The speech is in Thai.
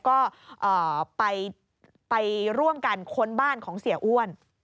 ก็ไปร่วมกันค้นบ้านของเสียอ้วน